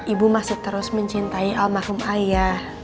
ibu masih terus mencintai almarhum ayah